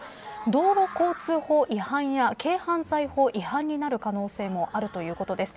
道路交通法違反や軽犯罪法違反になる可能性もあるということです。